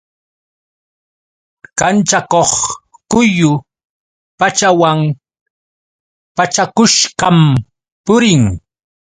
Kachakuq quyu pachawan pachakushqam purin.